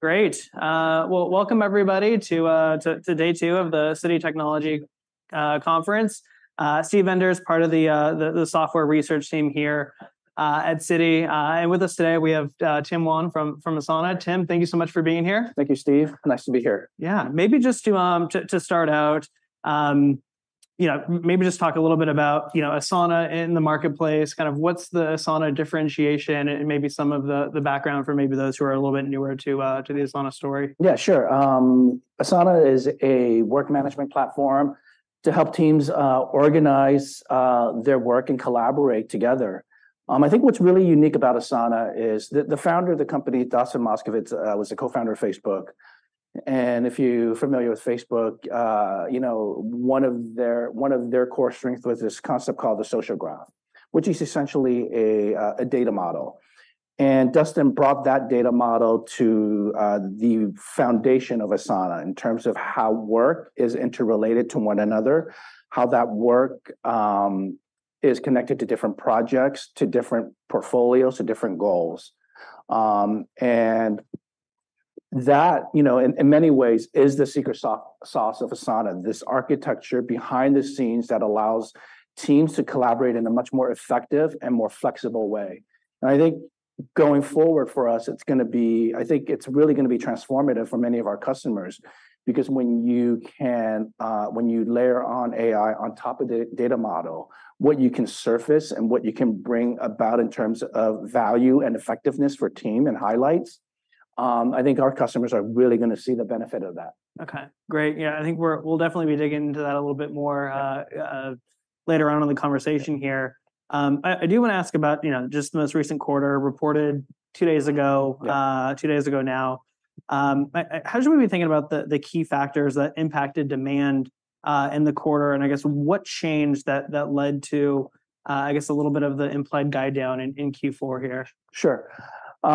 Great! Well, welcome everybody to day two of the Citi Technology conference. Steve Enders is part of the software research team here at Citi. And with us today, we have Tim Wan from Asana. Tim, thank you so much for being here. Thank you, Steve. Nice to be here. Yeah. Maybe just to start out, you know, maybe just talk a little bit about, you know, Asana in the marketplace, kind of what's the Asana differentiation and maybe some of the background for maybe those who are a little bit newer to the Asana story. Yeah, sure. Asana is a work management platform to help teams organize their work and collaborate together. I think what's really unique about Asana is the founder of the company, Dustin Moskovitz, was the co-founder of Facebook. And if you're familiar with Facebook, you know, one of their core strengths was this concept called the social graph, which is essentially a data model. And Dustin brought that data model to the foundation of Asana in terms of how work is interrelated to one another, how that work is connected to different projects, to different portfolios, to different goals. And that, you know, in many ways is the secret sauce of Asana, this architecture behind the scenes that allows teams to collaborate in a much more effective and more flexible way. I think going forward for us, it's gonna be... I think it's really gonna be transformative for many of our customers, because when you can, when you layer on AI on top of the data model, what you can surface and what you can bring about in terms of value and effectiveness for team and highlights, I think our customers are really gonna see the benefit of that. Okay, great. Yeah, I think we'll definitely be digging into that a little bit more, later on in the conversation here. Yeah. I do wanna ask about, you know, just the most recent quarter reported two days ago- Yeah... two days ago now. How should we be thinking about the key factors that impacted demand in the quarter? And I guess what changed that led to, I guess, a little bit of the implied guide down in Q4 here? Sure. You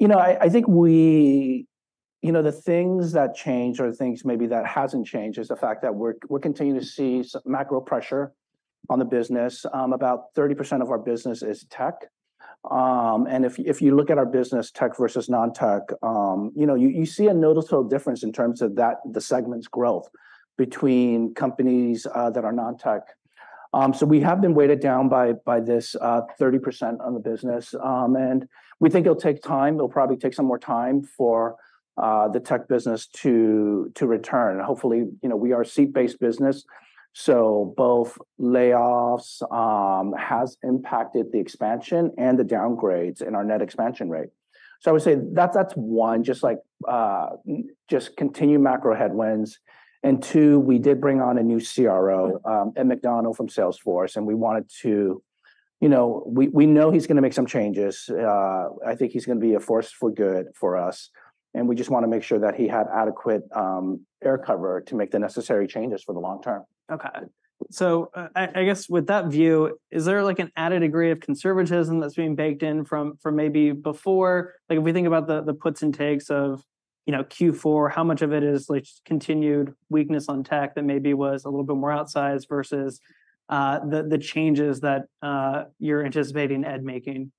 know, I think the things that change or the things maybe that hasn't changed is the fact that we're continuing to see some macro pressure on the business. About 30% of our business is tech. And if you look at our business, tech versus non-tech, you know, you see a noticeable difference in terms of that, the segment's growth between companies that are non-tech. So we have been weighted down by this 30% on the business. And we think it'll take time. It'll probably take some more time for the tech business to return. Hopefully, you know, we are a seat-based business, so both layoffs has impacted the expansion and the downgrades in our net expansion rate. So I would say that's, that's one, just like, just continued macro headwinds. And two, we did bring on a new CRO, Ed McDonnell from Salesforce, and we wanted to... You know, we, we know he's gonna make some changes. I think he's gonna be a force for good for us, and we just wanna make sure that he had adequate, air cover to make the necessary changes for the long term. Okay. So, I guess with that view, is there, like, an added degree of conservatism that's being baked in from maybe before? Like, if we think about the puts and takes of, you know, Q4, how much of it is, like, just continued weakness on tech that maybe was a little bit more outsized versus the changes that you're anticipating Ed making?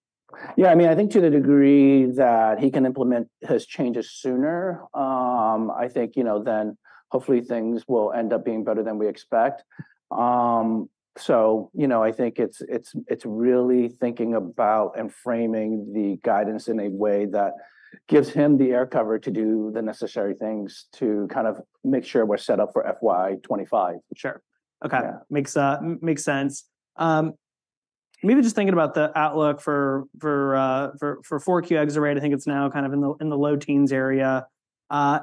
Yeah, I mean, I think to the degree that he can implement his changes sooner, I think, you know, then hopefully things will end up being better than we expect. So, you know, I think it's really thinking about and framing the guidance in a way that gives him the air cover to do the necessary things to kind of make sure we're set up for FY 2025. Sure. Okay. Yeah. Makes sense. Maybe just thinking about the outlook for 4Q FX rate, I think it's now kind of in the low teens area.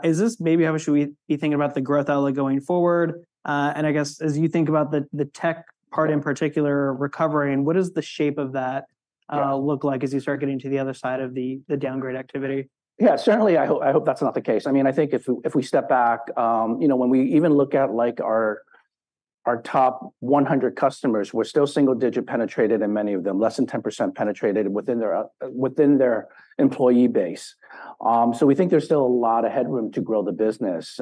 Is this maybe how we should be thinking about the growth outlook going forward? And I guess as you think about the tech part in particular recovering, what does the shape of that- Yeah... look like as you start getting to the other side of the downgrade activity? Yeah. Certainly, I hope, I hope that's not the case. I mean, I think if, if we step back, you know, when we even look at, like, our, our top 100 customers, we're still single digit penetrated, and many of them, less than 10% penetrated within their, within their employee base. So we think there's still a lot of headroom to grow the business.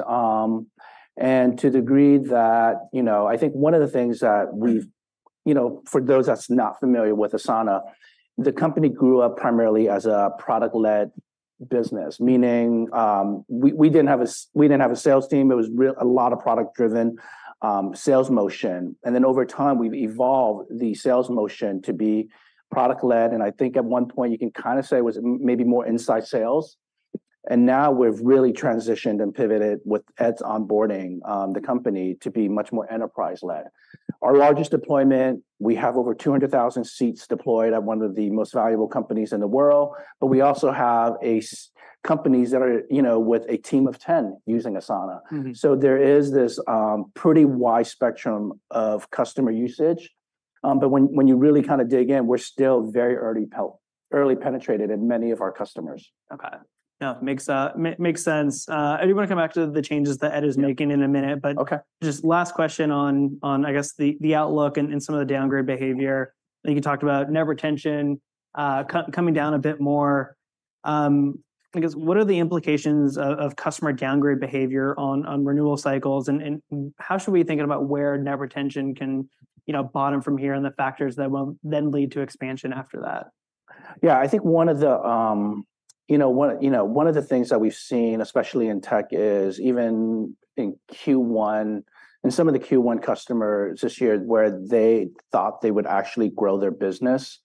And to the degree that... You know, I think one of the things that we've—you know, for those that's not familiar with Asana, the company grew up primarily as a product-led business, meaning, we, we didn't have a sales team. It was a lot of product-driven sales motion. And then over time, we've evolved the sales motion to be product-led, and I think at one point you can kinda say it was maybe more inside sales. And now we've really transitioned and pivoted with Ed's onboarding, the company to be much more enterprise-led. Our largest deployment, we have over 200,000 seats deployed at one of the most valuable companies in the world, but we also have companies that are, you know, with a team of 10 using Asana. Mm-hmm. There is this pretty wide spectrum of customer usage. But when you really kinda dig in, we're still very early penetrated in many of our customers. Okay. No, makes sense. I do wanna come back to the changes that Ed is making- Yeah... in a minute, but- Okay... just last question on the outlook and some of the downgrade behavior. I think you talked about net retention coming down a bit more. I guess, what are the implications of customer downgrade behavior on renewal cycles, and how should we be thinking about where net retention can, you know, bottom from here, and the factors that will then lead to expansion after that? ...Yeah, I think one of the, you know, one of the things that we've seen, especially in tech, is even in Q1, in some of the Q1 customers this year, where they thought they would actually grow their business.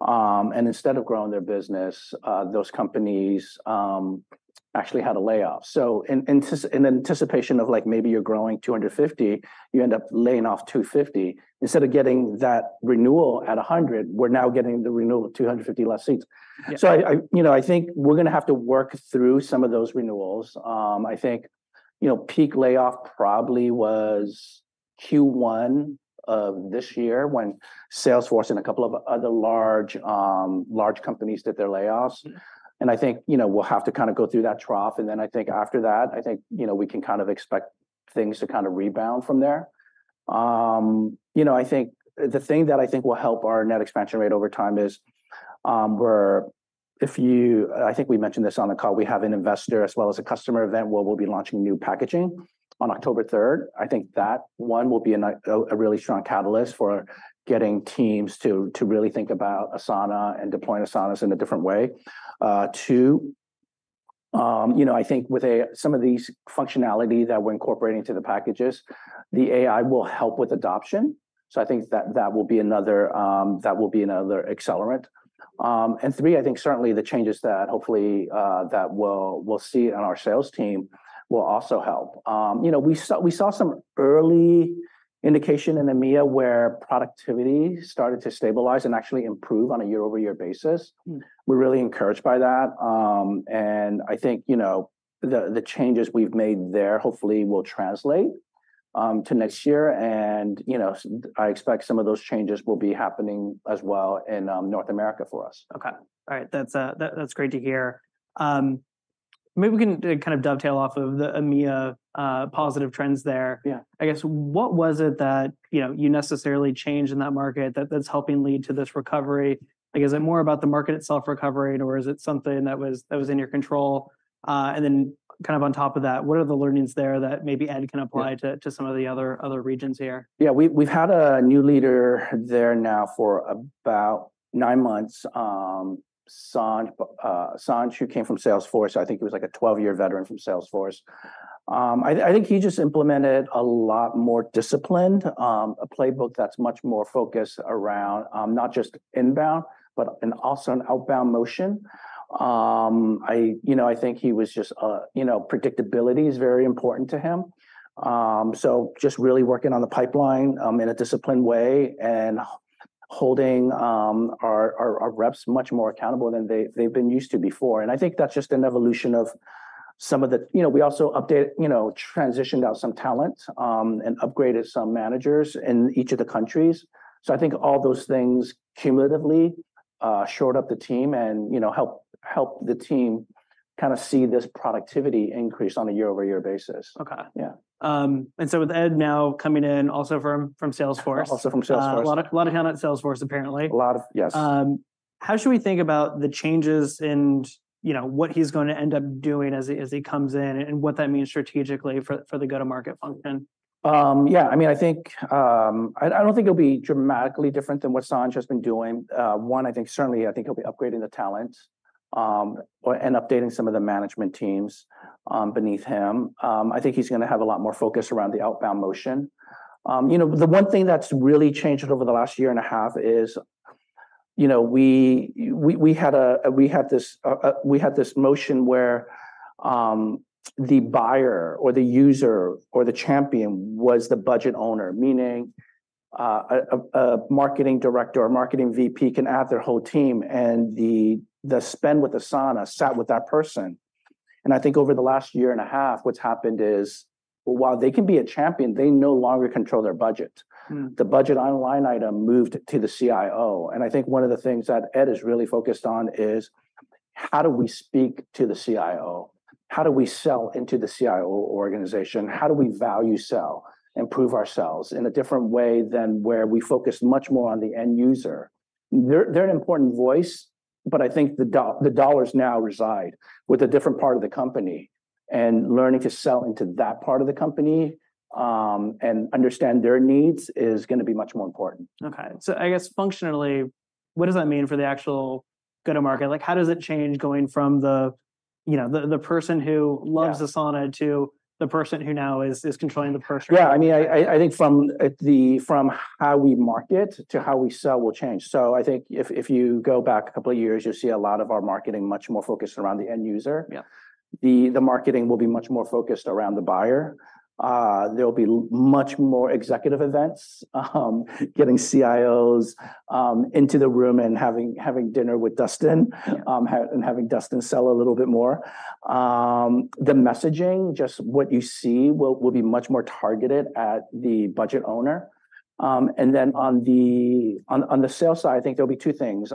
And instead of growing their business, those companies actually had a layoff. So in anticipation of, like, maybe you're growing 250, you end up laying off 250. Instead of getting that renewal at 100, we're now getting the renewal of 250 less seats. Yeah. So, you know, I think we're gonna have to work through some of those renewals. I think, you know, peak layoff probably was Q1 of this year, when Salesforce and a couple of other large companies did their layoffs. Mm. And I think, you know, we'll have to kind of go through that trough, and then I think after that, I think, you know, we can kind of expect things to kind of rebound from there. You know, I think the thing that I think will help our net expansion rate over time is, I think we mentioned this on the call. We have an investor as well as a customer event where we'll be launching new packaging on October third. I think that one will be a really strong catalyst for getting teams to really think about Asana and deploying Asana in a different way. Two, you know, I think with some of these functionality that we're incorporating into the packages, the AI will help with adoption. So I think that will be another accelerant. And three, I think certainly the changes that hopefully we'll see on our sales team will also help. You know, we saw some early indication in EMEA where productivity started to stabilize and actually improve on a year-over-year basis. Mm. We're really encouraged by that. And I think, you know, the changes we've made there hopefully will translate to next year. And, you know, I expect some of those changes will be happening as well in North America for us. Okay. All right, that's great to hear. Maybe we can kind of dovetail off of the EMEA positive trends there. Yeah. I guess, what was it that, you know, you necessarily changed in that market that- that's helping lead to this recovery? I guess, is it more about the market itself recovering, or is it something that was, that was in your control? And then kind of on top of that, what are the learnings there that maybe Ed can apply- Yeah... to some of the other regions here? Yeah, we've had a new leader there now for about nine months. Sanj, Sanj, who came from Salesforce, I think he was, like, a 12-year veteran from Salesforce. I think he just implemented a lot more disciplined, a playbook that's much more focused around, not just inbound, but and also an outbound motion. You know, I think he was just, you know, predictability is very important to him. So just really working on the pipeline, in a disciplined way and holding our reps much more accountable than they've been used to before. And I think that's just an evolution of some of the... You know, we also updated, you know, transitioned out some talent, and upgraded some managers in each of the countries. I think all those things cumulatively shored up the team and, you know, helped the team kind of see this productivity increase on a year-over-year basis. Okay. Yeah. And so with Ed now coming in, also from Salesforce- Also from Salesforce. A lot of, a lot of talent at Salesforce, apparently. A lot of... Yes. How should we think about the changes in, you know, what he's gonna end up doing as he comes in, and what that means strategically for the go-to-market function? Yeah, I mean, I think, I don't think it'll be dramatically different than what Sanj has been doing. One, I think certainly, I think he'll be upgrading the talent, or and updating some of the management teams, beneath him. I think he's gonna have a lot more focus around the outbound motion. You know, the one thing that's really changed over the last year and a half is, you know, we had this motion where, the buyer or the user or the champion was the budget owner. Meaning, a marketing director or marketing VP can add their whole team, and the spend with Asana sat with that person. I think over the last year and a half, what's happened is, while they can be a champion, they no longer control their budget. Mm. The budget line item moved to the CIO, and I think one of the things that Ed is really focused on is: How do we speak to the CIO? How do we sell into the CIO organization? How do we value sell and prove ourselves in a different way than where we focus much more on the end user? They're, they're an important voice, but I think the dollars now reside with a different part of the company, and learning to sell into that part of the company, and understand their needs is gonna be much more important. Okay, so I guess functionally, what does that mean for the actual go-to-market? Like, how does it change going from the, you know, the person who- Yeah... loves Asana to the person who now is controlling the purse strings? Yeah, I mean, I think from how we market to how we sell will change. So I think if you go back a couple of years, you'll see a lot of our marketing much more focused around the end user. Yeah. The marketing will be much more focused around the buyer. There'll be much more executive events, getting CIOs into the room and having dinner with Dustin- Yeah... and having Dustin sell a little bit more. The messaging, just what you see, will be much more targeted at the budget owner. And then on the sales side, I think there'll be two things.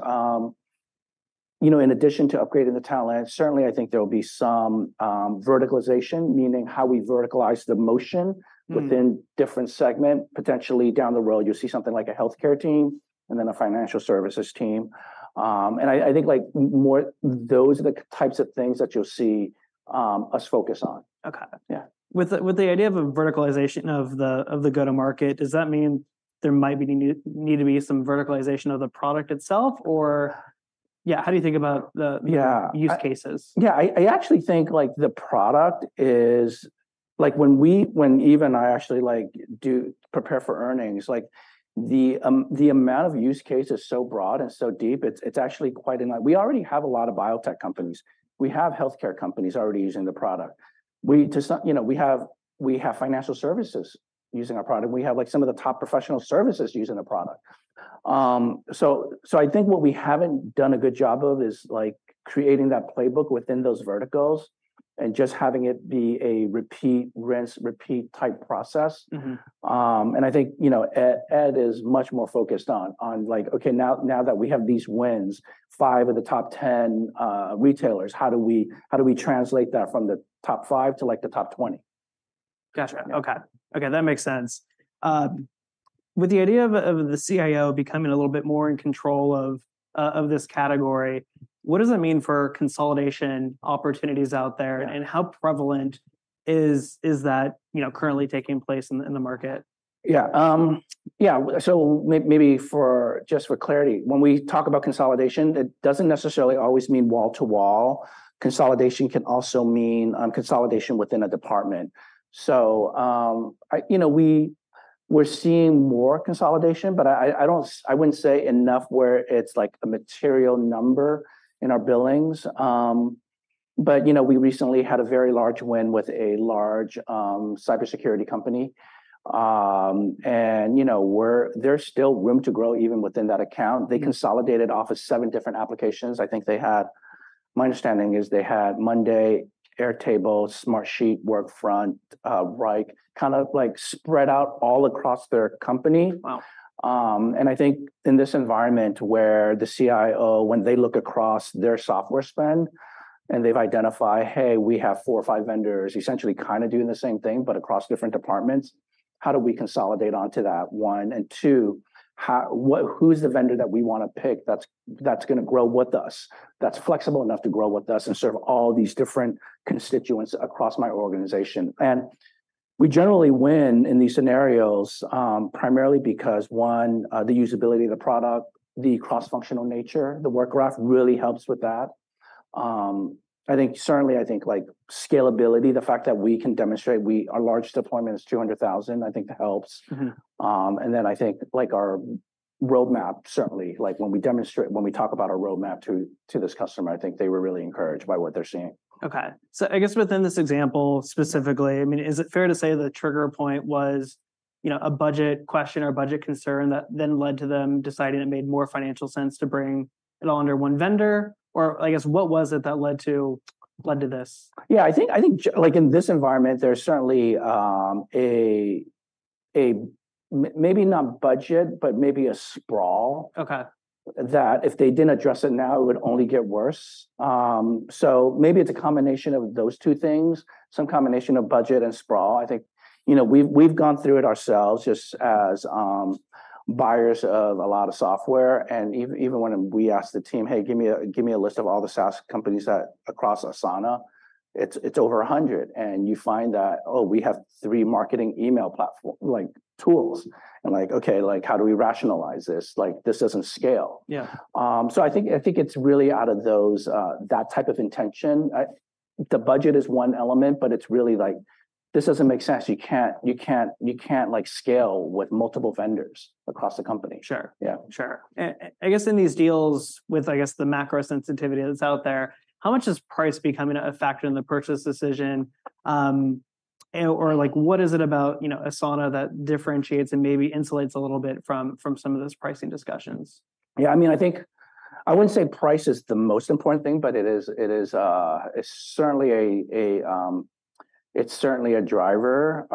You know, in addition to upgrading the talent, certainly I think there will be some verticalization, meaning how we verticalize the motion- Mm... within different segments. Potentially down the road, you'll see something like a healthcare team and then a financial services team. And I think, like, more, those are the types of things that you'll see us focus on. Okay. Yeah. With the idea of a verticalization of the go-to-market, does that mean there might be need to be some verticalization of the product itself, or?... Yeah, how do you think about the- Yeah - use cases? Yeah, I actually think, like, the product is, like, when we, when we and I actually, like, do prepare for earnings, like, the amount of use cases is so broad and so deep, it's actually quite a lot. We already have a lot of biotech companies. We have healthcare companies already using the product. We, to some, you know, we have financial services using our product. We have, like, some of the top professional services using the product. So, so I think what we haven't done a good job of is, like, creating that playbook within those verticals, and just having it be a repeat, rinse, repeat type process. Mm-hmm. And I think, you know, Ed is much more focused on, like, "Okay, now that we have these wins, five of the top 10 retailers, how do we translate that from the top five to, like, the top 20? Gotcha. Okay. Okay, that makes sense. With the idea of the CIO becoming a little bit more in control of this category, what does it mean for consolidation opportunities out there? Yeah... and how prevalent is that, you know, currently taking place in the market? Yeah, yeah, so maybe for just for clarity, when we talk about consolidation, it doesn't necessarily always mean wall-to-wall. Consolidation can also mean consolidation within a department. So, I, you know, we're seeing more consolidation, but I don't... I wouldn't say enough where it's, like, a material number in our billings. But, you know, we recently had a very large win with a large cybersecurity company. And, you know, there's still room to grow even within that account. Mm. They consolidated off of seven different applications. I think they had... My understanding is they had Monday, Airtable, Smartsheet, Workfront, Wrike, kind of, like, spread out all across their company. Wow! And I think in this environment, where the CIO, when they look across their software spend, and they've identified, "Hey, we have four or five vendors essentially kind of doing the same thing, but across different departments, how do we consolidate onto that?" One, and two, how, what, "Who's the vendor that we wanna pick that's, that's gonna grow with us, that's flexible enough to grow with us, and serve all these different constituents across my organization?" And we generally win in these scenarios, primarily because, one, the usability of the product, the cross-functional nature, the Work Graph really helps with that. I think, certainly I think, like, scalability, the fact that we can demonstrate we... Our largest deployment is 200,000, I think that helps. Mm-hmm. And then I think, like, our roadmap, certainly, like, when we demonstrate, when we talk about our roadmap to this customer, I think they were really encouraged by what they're seeing. Okay. So I guess within this example specifically, I mean, is it fair to say the trigger point was, you know, a budget question or a budget concern that then led to them deciding it made more financial sense to bring it all under one vendor? Or I guess, what was it that led to, led to this? Yeah, I think, I think like, in this environment, there's certainly maybe not budget, but maybe a sprawl... Okay... that if they didn't address it now, it would only get worse. So maybe it's a combination of those two things, some combination of budget and sprawl. I think, you know, we've gone through it ourselves, just as buyers of a lot of software, and even when we ask the team, "Hey, give me a, give me a list of all the SaaS companies that across Asana," it's over 100. And you find that, oh, we have three marketing email platform, like, tools. And like, okay, like, how do we rationalize this? Like, this doesn't scale. Yeah. So I think, I think it's really out of those, that type of intention. I... The budget is one element, but it's really, like, "This doesn't make sense. You can't, you can't, you can't, like, scale with multiple vendors across the company. Sure. Yeah. Sure. I guess, in these deals with, I guess, the macro sensitivity that's out there, how much is price becoming a factor in the purchase decision? Or, like, what is it about, you know, Asana that differentiates and maybe insulates a little bit from, from some of those pricing discussions? Yeah, I mean, I think I wouldn't say price is the most important thing, but it is, it is, it's certainly a driver.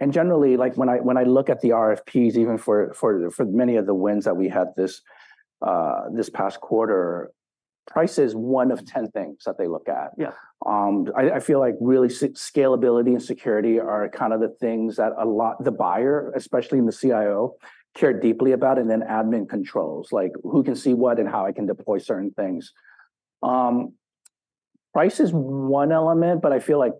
And generally, like, when I, when I look at the RFPs, even for many of the wins that we had this past quarter, price is one of 10 things that they look at. Yeah. I feel like really scalability and security are kind of the things that a lot... The buyer, especially, and the CIO, care deeply about, and then admin controls. Like, who can see what, and how I can deploy certain things? Price is one element, but I feel like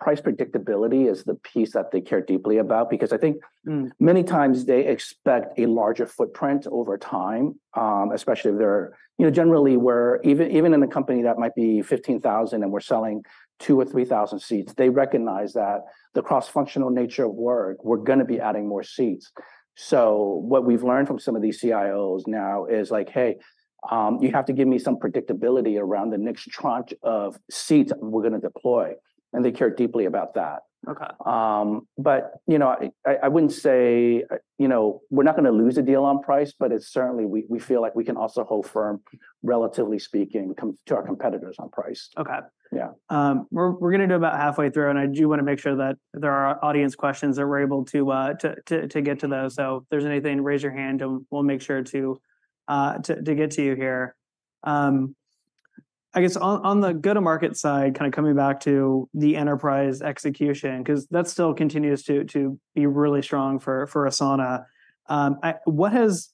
price predictability is the piece that they care deeply about. Because I think- Mm... many times they expect a larger footprint over time, especially if they're... You know, generally, we're even in a company that might be 15,000, and we're selling 2,000 or 3,000 seats, they recognize that the cross-functional nature of work, we're gonna be adding more seats. So what we've learned from some of these CIOs now is, like, "Hey, you have to give me some predictability around the next tranche of seats we're gonna deploy," and they care deeply about that. Okay. But, you know, I wouldn't say, you know, we're not gonna lose a deal on price, but it's certainly we feel like we can also hold firm, relatively speaking, to our competitors on price. Okay. Yeah. We're gonna go about halfway through, and I do wanna make sure that there are audience questions, that we're able to get to those. So if there's anything, raise your hand, and we'll make sure to get to you here. I guess on the go-to-market side, kind of coming back to the enterprise execution, 'cause that still continues to be really strong for Asana. What has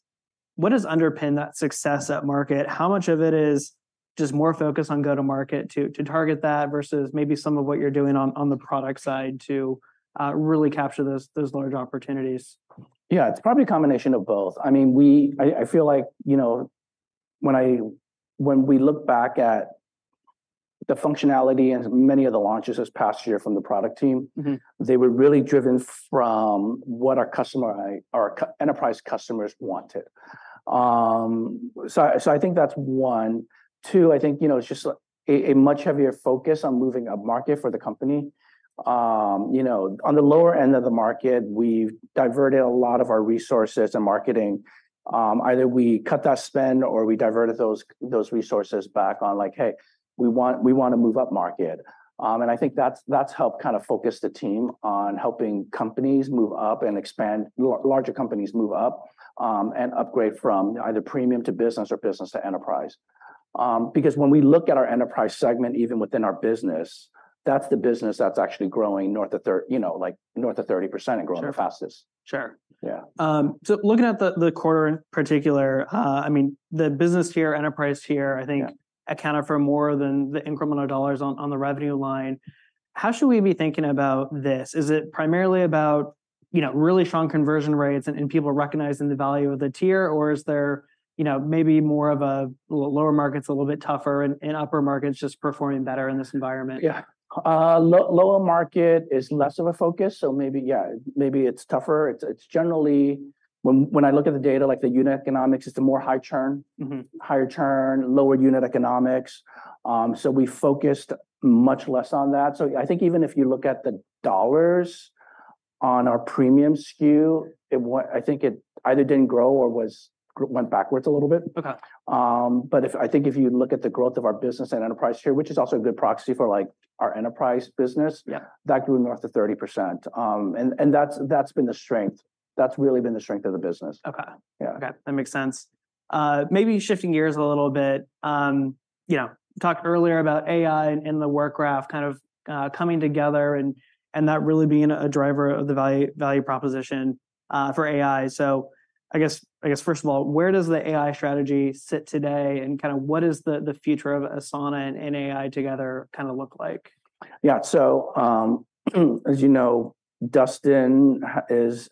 underpinned that success at market? How much of it is just more focused on go-to-market to target that, versus maybe some of what you're doing on the product side to really capture those large opportunities?... Yeah, it's probably a combination of both. I mean, we, I feel like, you know, when we look back at the functionality and many of the launches this past year from the product team- Mm-hmm. They were really driven from what our customer, our enterprise customers wanted. So I, so I think that's one. Two, I think, you know, it's just a much heavier focus on moving upmarket for the company. You know, on the lower end of the market, we've diverted a lot of our resources and marketing. Either we cut that spend, or we diverted those resources back on, like, "Hey, we want, we wanna move upmarket." And I think that's helped kinda focus the team on helping companies move up and expand... larger companies move up, and upgrade from either Premium to Business or Business to Enterprise. Because when we look at our enterprise segment, even within our business, that's the business that's actually growing north of thir- you know, like, north of 30%. Sure. and growing the fastest. Sure. Yeah. So, looking at the quarter in particular, I mean, the business tier, enterprise tier, I think- Yeah... accounted for more than the incremental dollars on, on the revenue line. How should we be thinking about this? Is it primarily about, you know, really strong conversion rates and, and people recognizing the value of the tier, or is there, you know, maybe more of a lower market's a little bit tougher and, and upper market's just performing better in this environment? Yeah. Lower market is less of a focus, so maybe, yeah, maybe it's tougher. It's generally... When I look at the data, like the unit economics, it's the more high churn- Mm-hmm... higher churn, lower unit economics. So we focused much less on that. So I think even if you look at the dollars on our Premium SKU, it, I think it either didn't grow or was, went backwards a little bit. Okay. But if, I think, if you look at the growth of our Business and Enterprise tier, which is also a good proxy for, like, our enterprise business. Yeah... that grew north of 30%. And that's been the strength. That's really been the strength of the business. Okay. Yeah. Okay, that makes sense. Maybe shifting gears a little bit, you know, talked earlier about AI and the work graph kind of coming together and, and that really being a driver of the value, value proposition for AI. So I guess, I guess, first of all, where does the AI strategy sit today, and kinda what is the, the future of Asana and AI together kinda look like? Yeah, so, as you know, Dustin is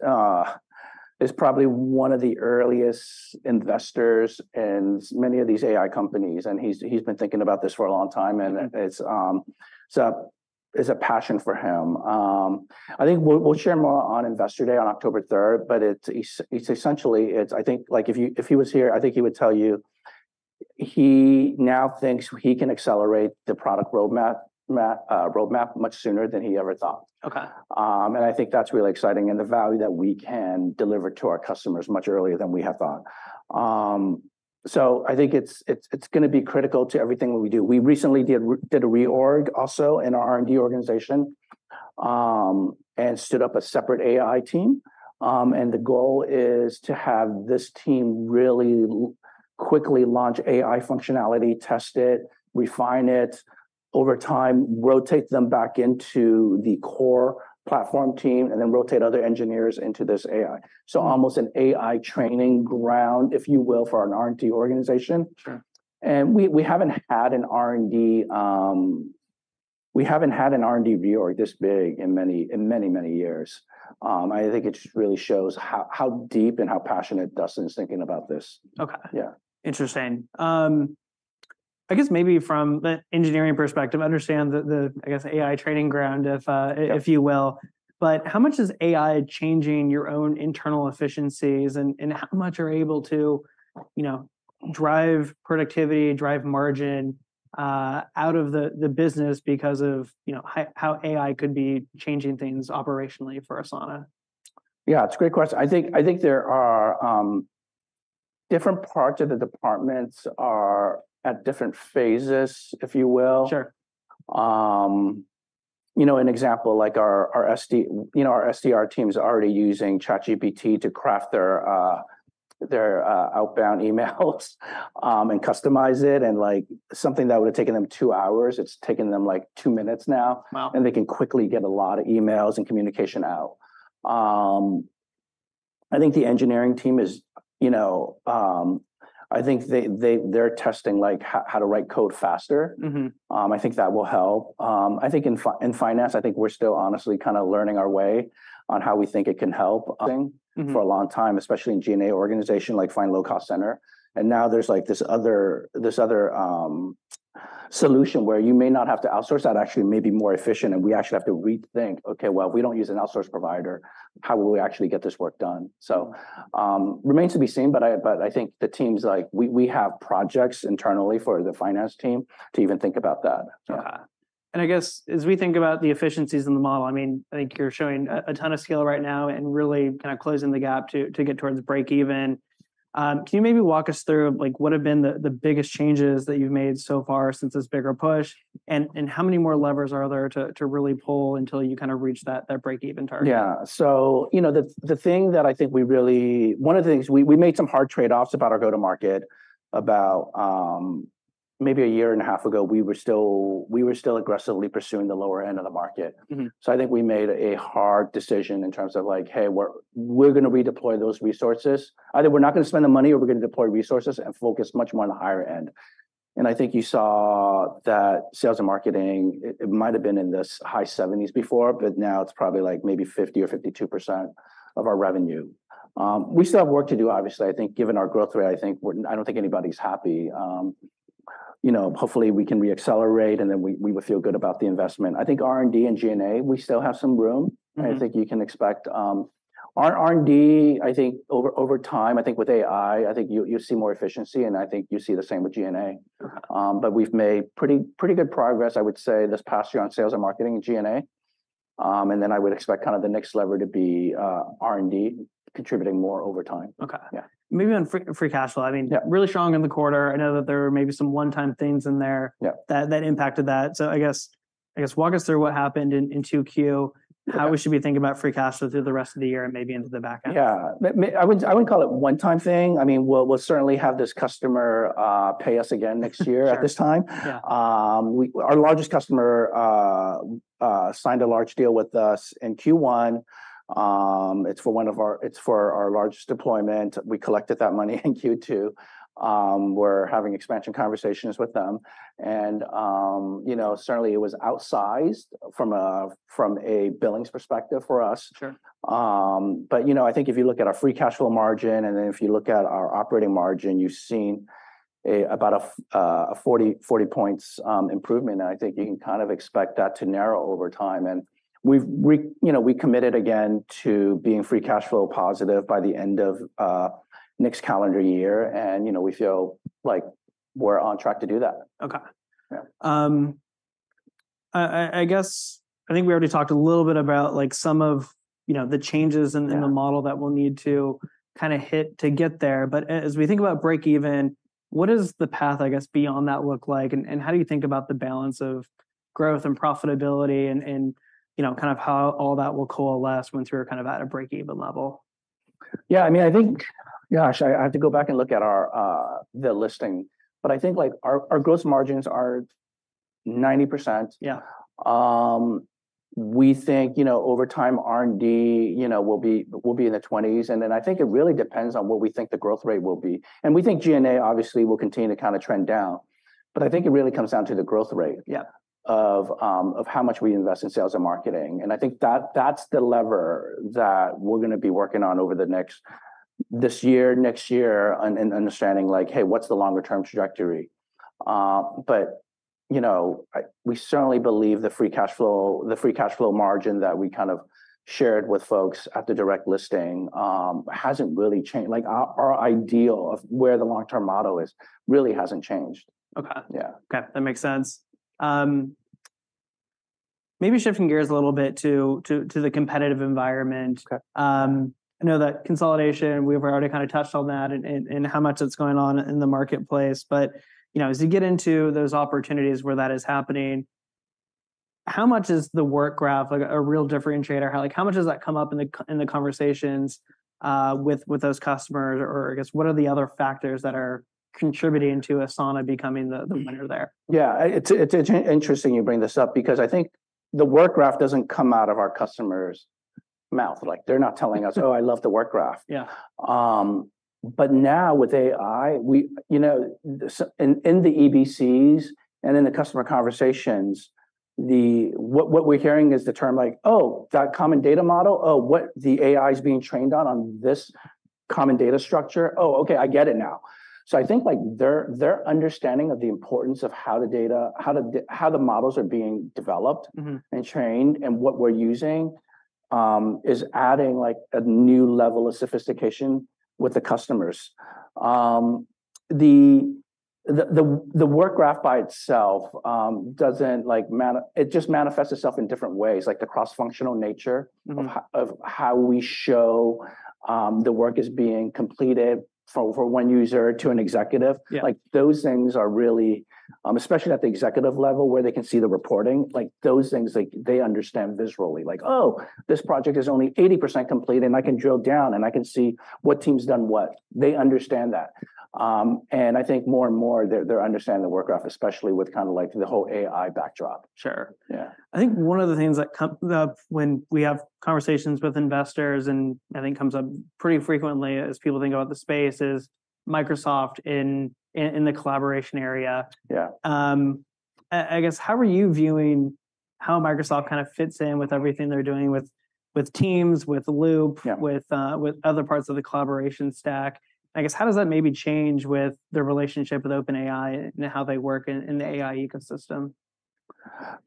probably one of the earliest investors in many of these AI companies, and he's been thinking about this for a long time, and- Mm-hmm... it's a passion for him. I think we'll share more on Investor Day on October third, but it's essentially it. I think, like, if he was here, I think he would tell you he now thinks he can accelerate the product roadmap much sooner than he ever thought. Okay. And I think that's really exciting, and the value that we can deliver to our customers much earlier than we had thought. So I think it's gonna be critical to everything that we do. We recently did a reorg also in our R&D organization, and stood up a separate AI team. And the goal is to have this team really quickly launch AI functionality, test it, refine it, over time, rotate them back into the core platform team, and then rotate other engineers into this AI. So almost an AI training ground, if you will, for an R&D organization. Sure. We haven't had an R&D reorg this big in many years. I think it just really shows how deep and how passionate Dustin's thinking about this. Okay. Yeah. Interesting. I guess maybe from the engineering perspective, understand that the, I guess, AI training ground, if- Yeah... if you will, but how much is AI changing your own internal efficiencies, and how much are you able to, you know, drive productivity, drive margin out of the business because of, you know, how AI could be changing things operationally for Asana? Yeah, it's a great question. I think, I think there are, different parts of the departments are at different phases, if you will. Sure. You know, an example, like our SDR team's already using ChatGPT to craft their outbound emails and customize it, and, like, something that would've taken them two hours, it's taking them, like, two minutes now. Wow! They can quickly get a lot of emails and communication out. I think the engineering team is, you know, I think they're testing, like, how to write code faster. Mm-hmm. I think that will help. I think in finance, I think we're still honestly kinda learning our way on how we think it can help. Mm-hmm. For a long time, especially in G&A organization, like find low-cost center, and now there's, like, this other, this other, solution where you may not have to outsource. That actually may be more efficient, and we actually have to rethink, "Okay, well, if we don't use an outsource provider, how will we actually get this work done? Mm-hmm. So, remains to be seen, but I, but I think the teams, like, we, we have projects internally for the finance team to even think about that. Got it. And I guess, as we think about the efficiencies in the model, I mean, I think you're showing a ton of skill right now and really kinda closing the gap to get towards break even. Can you maybe walk us through, like, what have been the biggest changes that you've made so far since this bigger push, and how many more levers are there to really pull until you kinda reach that break-even target? Yeah, so, you know, the thing that I think we really... One of the things, we made some hard trade-offs about our go-to-market. About, maybe a year and a half ago, we were still, we were still aggressively pursuing the lower end of the market. Mm-hmm. So I think we made a hard decision in terms of like, "Hey, we're gonna redeploy those resources. Either we're not gonna spend the money, or we're gonna deploy resources and focus much more on the higher end."... and I think you saw that sales and marketing, it might have been in the high 70s before, but now it's probably like maybe 50% or 52% of our revenue. We still have work to do, obviously. I think, given our growth rate, I think we're—I don't think anybody's happy. You know, hopefully we can re-accelerate, and then we would feel good about the investment. I think R&D and G&A, we still have some room. Mm-hmm. I think you can expect our R&D. I think over time, I think with AI, I think you'll see more efficiency, and I think you see the same with G&A. Sure. But we've made pretty, pretty good progress, I would say, this past year on sales and marketing and G&A. And then I would expect kind of the next lever to be R&D contributing more over time. Okay. Yeah. Maybe on free cash flow, I mean- Yeah. really strong in the quarter. I know that there were maybe some one-time things in there- Yeah... that impacted that. So I guess walk us through what happened in 2Q. Yeah. How we should be thinking about free cash flow through the rest of the year and maybe into the back end? Yeah. I wouldn't, I wouldn't call it one time thing. I mean, we'll, we'll certainly have this customer pay us again next year- Sure... at this time. Yeah. Our largest customer signed a large deal with us in Q1. It's for one of our... It's for our largest deployment. We collected that money in Q2. We're having expansion conversations with them, and, you know, certainly it was outsized from a, from a billings perspective for us. Sure. But, you know, I think if you look at our free cash flow margin, and then if you look at our operating margin, you've seen about a 40-point improvement, and I think you can kind of expect that to narrow over time. And we've, you know, we committed again to being free cash flow positive by the end of next calendar year, and, you know, we feel like we're on track to do that. Okay. Yeah. I guess I think we already talked a little bit about, like, some of, you know, the changes in- Yeah... in the model that we'll need to kinda hit to get there. But as we think about break even, what does the path, I guess, beyond that look like, and how do you think about the balance of growth and profitability, and you know, kind of how all that will coalesce once we're kind of at a break-even level? Yeah, I mean, I think... Gosh, I have to go back and look at our, the listing, but I think, like, our gross margins are 90%. Yeah. We think, you know, over time, R&D, you know, will be in the twenties, and then I think it really depends on what we think the growth rate will be. We think G&A obviously will continue to kind of trend down, but I think it really comes down to the growth rate. Yeah... of how much we invest in sales and marketing. And I think that, that's the lever that we're gonna be working on over the next, this year, next year, and understanding like, Hey, what's the longer term trajectory? But, you know, we certainly believe the free cash flow, the free cash flow margin that we kind of shared with folks at the direct listing, hasn't really changed. Like, our, our ideal of where the long-term model is really hasn't changed. Okay. Yeah. Okay, that makes sense. Maybe shifting gears a little bit to the competitive environment. Okay. I know that consolidation, we've already kind of touched on that and how much it's going on in the marketplace, but, you know, as you get into those opportunities where that is happening, how much is the Work Graph, like, a real differentiator? How, like, how much does that come up in the conversations with those customers, or I guess, what are the other factors that are contributing to Asana becoming the, the- Mm... winner there? Yeah, it's interesting you bring this up because I think the Work Graph doesn't come out of our customer's mouth. Like, they're not telling us, "Oh, I love the Work Graph. Yeah. But now with AI, we, you know, in the EBCs and in the customer conversations, what we're hearing is the term like, "Oh, that common data model? Oh, what the AI is being trained on, on this common data structure? Oh, okay, I get it now." So I think, like, their understanding of the importance of how the data, how the models are being developed- Mm-hmm... and trained and what we're using is adding, like, a new level of sophistication with the customers. The Work Graph by itself doesn't like mani- it just manifests itself in different ways, like the cross-functional nature- Mm... of how we show the work is being completed from one user to an executive. Yeah. Like, those things are really, especially at the executive level, where they can see the reporting, like, those things, like, they understand visually. Like, "Oh, this project is only 80% complete, and I can drill down, and I can see what team's done what." They understand that. And I think more and more, they're, they're understanding the Work Graph, especially with kind of, like, the whole AI backdrop. Sure. Yeah. I think one of the things that come up when we have conversations with investors, and I think comes up pretty frequently as people think about the space, is Microsoft in the collaboration area. Yeah. I guess, how are you viewing how Microsoft kind of fits in with everything they're doing with, with Teams, with Loop- Yeah... with other parts of the collaboration stack? I guess, how does that maybe change with the relationship with OpenAI and how they work in the AI ecosystem?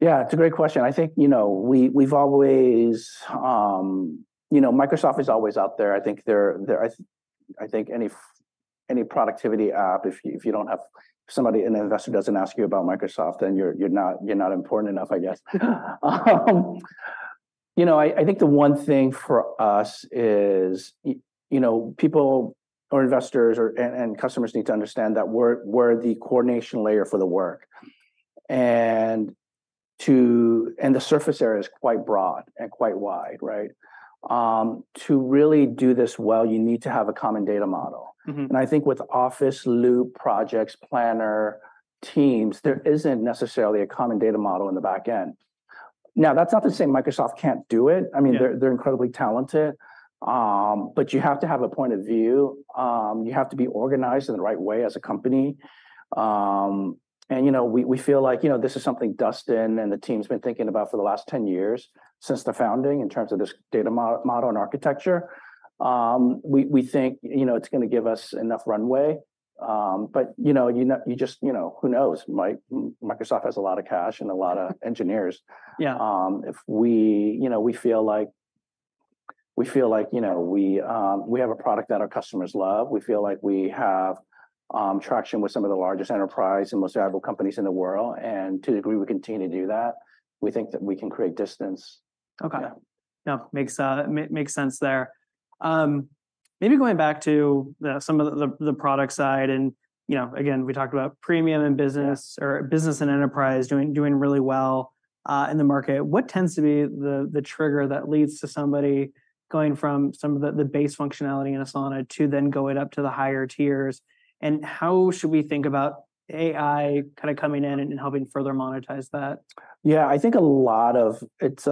Yeah, it's a great question. I think, you know, we, we've always, you know, Microsoft is always out there. I think they're... I think any productivity app, if you don't have somebody, an investor doesn't ask you about Microsoft, then you're not important enough, I guess. You know, I think the one thing for us is you know, people or investors and customers need to understand that we're the coordination layer for the work. And the surface area is quite broad and quite wide, right? To really do this well, you need to have a common data model. Mm-hmm. I think with Office, Loop, Project, Planner, Teams, there isn't necessarily a common data model in the back end.... Now, that's not to say Microsoft can't do it. Yeah. I mean, they're incredibly talented. But you have to have a point of view. You have to be organized in the right way as a company. And, you know, we feel like, you know, this is something Dustin and the team's been thinking about for the last 10 years, since the founding, in terms of this data model and architecture. We think, you know, it's gonna give us enough runway. But, you know, you know, you just... You know, who knows? Microsoft has a lot of cash and a lot of engineers. Yeah. If we, you know, we feel like we have a product that our customers love. We feel like we have traction with some of the largest enterprise and most valuable companies in the world, and to the degree we continue to do that, we think that we can create distance. Okay. Yeah. No, makes sense there. Maybe going back to some of the product side, and, you know, again, we talked about premium and business- Yeah... or business and enterprise doing really well in the market. What tends to be the trigger that leads to somebody going from some of the base functionality in Asana to then going up to the higher tiers? How should we think about AI kind of coming in and helping further monetize that? Yeah, I think a lot of... It's,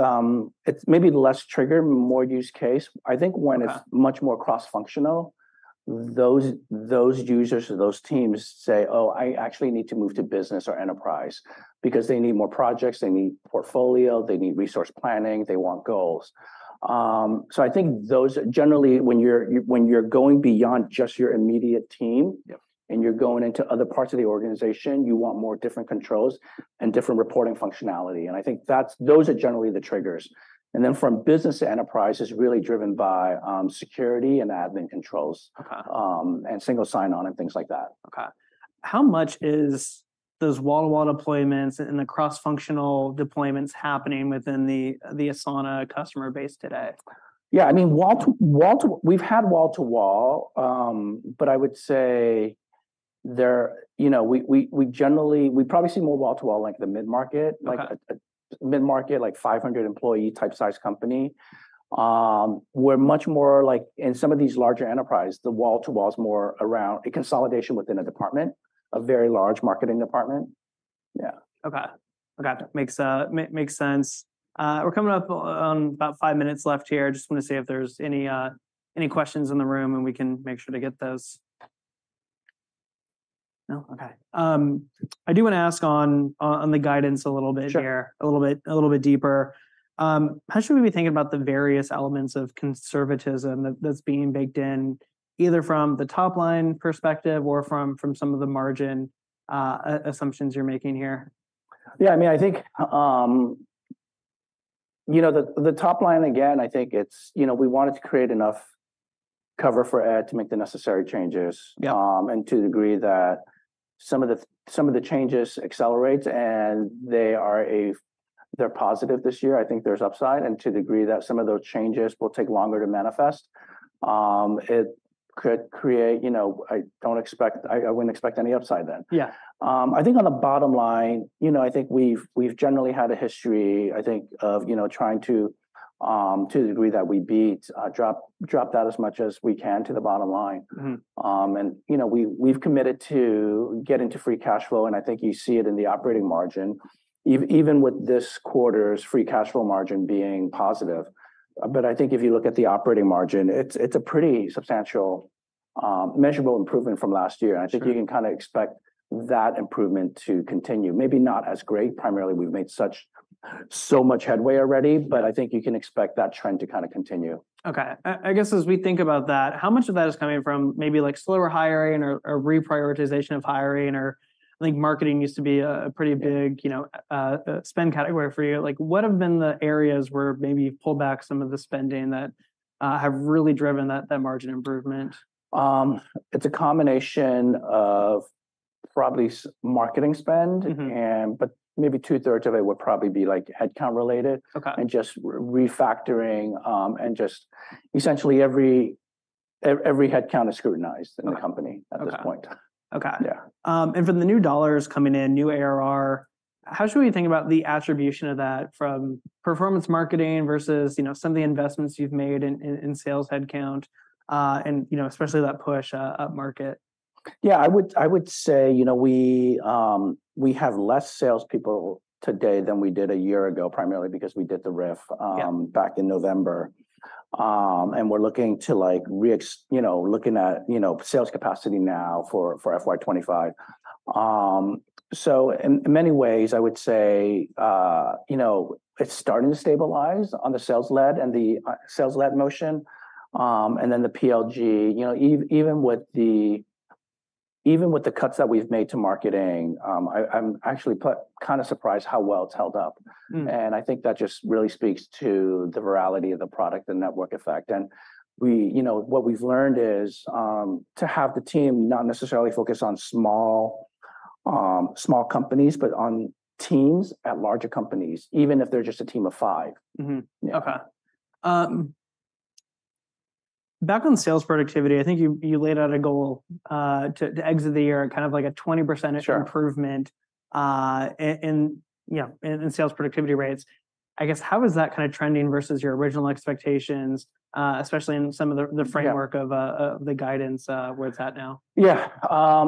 it's maybe less trigger, more use case. Okay. I think when it's much more cross-functional, those users or those teams say, "Oh, I actually need to move to business or enterprise," because they need more projects, they need portfolio, they need resource planning, they want goals. So I think those, generally, when you're going beyond just your immediate team- Yeah... and you're going into other parts of the organization, you want more different controls and different reporting functionality, and I think that's, those are generally the triggers. And then from Business to Enterprise is really driven by, security and admin controls- Okay... and single sign-on, and things like that. Okay. How much is those wall-to-wall deployments and the cross-functional deployments happening within the Asana customer base today? Yeah, I mean, wall to wall. We've had wall to wall, but I would say there. You know, we generally probably see more wall to wall, like, the mid-market. Okay. Like, a mid-market, like, 500 employee type size company. We're much more, like, in some of these larger enterprise, the wall to wall is more around a consolidation within a department, a very large marketing department. Yeah. Okay. Okay. Yeah. Makes sense. We're coming up on about five minutes left here. I just wanna see if there's any questions in the room, and we can make sure to get those. No? Okay. I do wanna ask on the guidance a little bit here. Sure. A little bit, a little bit deeper. How should we be thinking about the various elements of conservatism that that's being baked in, either from the top-line perspective or from some of the margin assumptions you're making here? Yeah, I mean, I think, you know, the top line again, I think it's, you know, we wanted to create enough cover for Ed to make the necessary changes. Yeah. To the degree that some of the changes accelerate, and they are positive this year, I think there's upside, and to the degree that some of those changes will take longer to manifest. It could create, you know, I don't expect... I wouldn't expect any upside then. Yeah. I think on the bottom line, you know, I think we've generally had a history, I think, of, you know, trying to, to the degree that we beat, drop that as much as we can to the bottom line. Mm-hmm. And, you know, we've committed to getting to free cash flow, and I think you see it in the operating margin, even with this quarter's free cash flow margin being positive. But I think if you look at the operating margin, it's a pretty substantial, measurable improvement from last year- Sure... and I think you can kind of expect that improvement to continue. Maybe not as great, primarily we've made so much headway already. Yeah... but I think you can expect that trend to kind of continue. Okay. I guess as we think about that, how much of that is coming from maybe, like, slower hiring or reprioritization of hiring or, like, marketing used to be a pretty big, you know, spend category for you. Like, what have been the areas where maybe you've pulled back some of the spending that have really driven that margin improvement? It's a combination of probably marketing spend. Mm-hmm. But maybe two-thirds of it would probably be, like, headcount related- Okay... and just refactoring, and just essentially every headcount is scrutinized- Okay... in the company at this point. Okay. Yeah. From the new dollars coming in, new ARR, how should we think about the attribution of that from performance marketing versus, you know, some of the investments you've made in sales headcount, and, you know, especially that push upmarket? Yeah, I would, I would say, you know, we, we have less salespeople today than we did a year ago, primarily because we did the RIF, Yeah... back in November. And we're looking to, like, you know, looking at, you know, sales capacity now for, for FY 2025. So in many ways, I would say, you know, it's starting to stabilize on the sales-led and the, sales-led motion. And then the PLG, you know, even with the, even with the cuts that we've made to marketing, I'm actually kind of surprised how well it's held up. Hmm. I think that just really speaks to the virality of the product and network effect. We, you know, what we've learned is to have the team not necessarily focus on small companies, but on teams at larger companies, even if they're just a team of five. Mm-hmm. Yeah. Okay. Back on sales productivity, I think you laid out a goal to exit the year at kind of, like, a 20 percentage- Sure... improvement, you know, in sales productivity rates. I guess, how is that kind of trending versus your original expectations, especially in some of the framework- Yeah... of, the guidance, where it's at now? Yeah.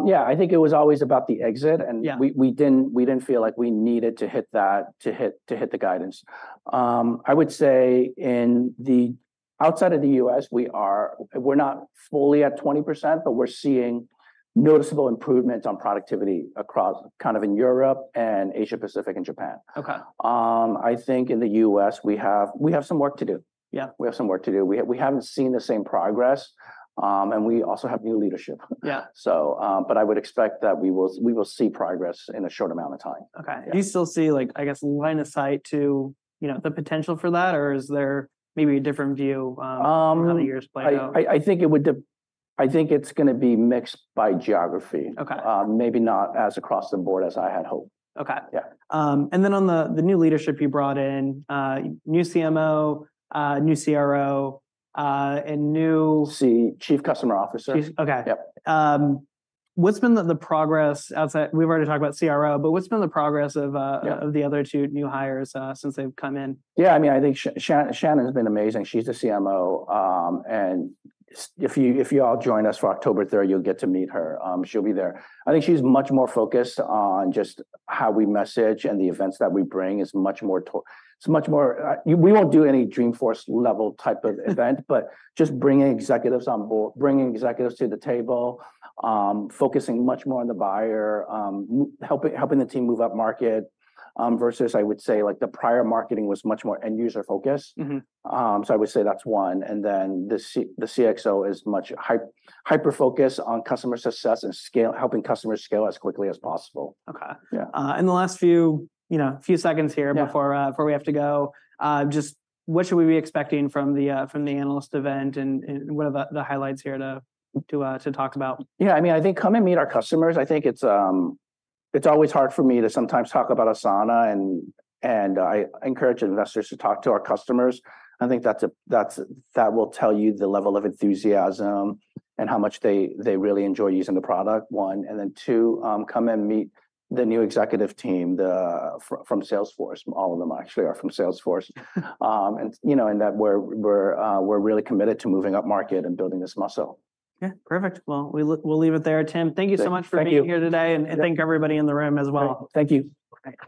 Yeah, I think it was always about the exit, and- Yeah... we didn't feel like we needed to hit that to hit the guidance. I would say outside of the US, we're not fully at 20%, but we're seeing noticeable improvements on productivity across, kind of in Europe, and Asia Pacific, and Japan. Okay. I think in the U.S. we have, we have some work to do. Yeah. We have some work to do. We, we haven't seen the same progress, and we also have new leadership. Yeah. But I would expect that we will see progress in a short amount of time. Okay. Yeah. Do you still see, like, I guess, line of sight to, you know, the potential for that, or is there maybe a different view, from how the year has played out? I think it's gonna be mixed by geography. Okay. Maybe not as across the board as I had hoped. Okay. Yeah. And then on the new leadership you brought in, new CMO, new CRO, and new- Chief Customer Officer. Chief, okay. Yep. What's been the progress outside... We've already talked about CRO, but what's been the progress of- Yeah... of the other two new hires, since they've come in? Yeah, I mean, I think Shannon has been amazing. She's the CMO. And if you all join us for October third, you'll get to meet her. She'll be there. I think she's much more focused on just how we message and the events that we bring. It's much more... We won't do any Dreamforce-level type of event. But just bringing executives on board, bringing executives to the table, focusing much more on the buyer, helping the team move up market, versus I would say, like, the prior marketing was much more end-user focused. Mm-hmm. So I would say that's one, and then the CXO is much hyper-focused on customer success and scale, helping customers scale as quickly as possible. Okay. Yeah. in the last few, you know, few seconds here- Yeah... before we have to go, just what should we be expecting from the analyst event, and what are the highlights here to talk about? Yeah, I mean, I think come and meet our customers. I think it's, it's always hard for me to sometimes talk about Asana, and I encourage investors to talk to our customers. I think that's, that will tell you the level of enthusiasm and how much they really enjoy using the product, one. And then two, come and meet the new executive team, from Salesforce. All of them actually are from Salesforce. And you know and that we're really committed to moving up market and building this muscle. Yeah, perfect. Well, we'll leave it there, Tim. Thank you. Thank you so much for being here today, and thank everybody in the room as well. Thank you. Thanks.